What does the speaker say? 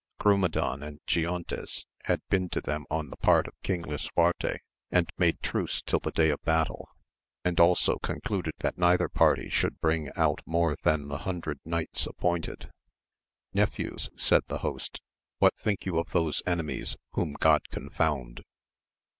Grumedan and Giontes had been to them on the part of King Lisuarte, and made truce till the day of battle, and also concluded that neither party should bring out more than the hundred knights appointed. Nephews, said the host, what think you of those enemies whom God confound